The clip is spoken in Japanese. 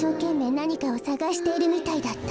なにかをさがしているみたいだった。